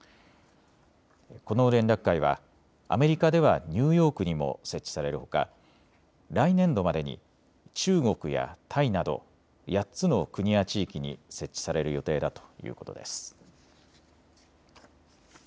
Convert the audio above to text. この連絡会はアメリカではニューヨークにも設置されるほか来年度までに中国やタイなど８つの国や地域に設置される予定だということです。